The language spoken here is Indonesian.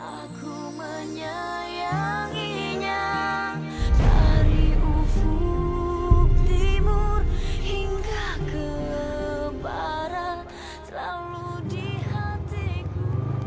aku menyayanginya dari ufu timur hingga ke barat selalu di hatiku